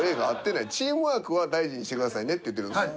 チームワークは大事にしてくださいねって言ってるんです。